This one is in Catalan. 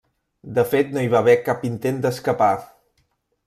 De fet no hi va haver cap intent d'escapar.